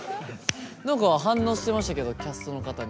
何か反応してましたけどキャストの方に。